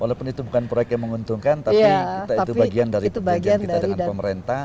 walaupun itu bukan proyek yang menguntungkan tapi itu bagian dari perjanjian kita dengan pemerintah